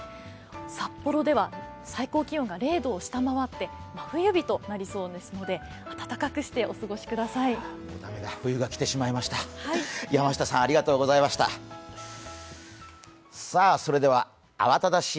札幌では最高気温が０度を下回って真冬日となりそうですので暖かくしてお過ごしください。